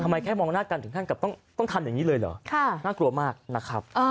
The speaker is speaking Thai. ทำไมแค่มองหน้ากันถึงท่านต้องทำแต่งงี้เลยเหรอค่ะน่ากลัวมากนะครับ